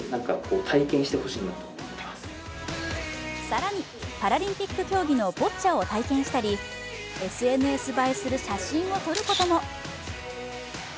更に、パラリンピック競技のボッチャを体験したりＳＮＳ映えする写真を撮ることも。